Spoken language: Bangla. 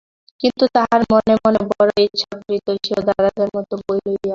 কিন্তু তাহার মনে মনে বড়ো ইচ্ছা করিত, সেও দাদাদের মতো বই লইয়া পড়ে।